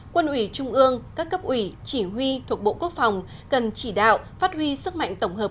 quân ủy trung ương các cấp ủy chỉ huy thuộc bộ quốc phòng cần chỉ đạo phát huy sức mạnh tổng hợp